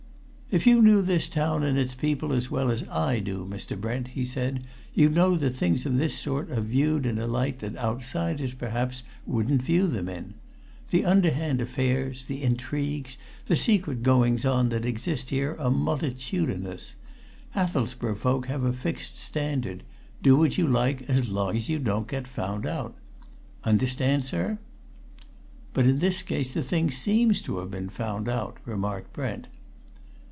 "If you knew this town and its people as well as I do, Mr. Brent," he said, "you'd know that things of this sort are viewed in a light that outsiders, perhaps, wouldn't view them in. The underhand affairs, the intrigues, the secret goings on that exist here are multitudinous. Hathelsborough folk have a fixed standard do what you like, as long as you don't get found out! Understand, sir?" "But in this case the thing seems to have been found out," remarked Brent.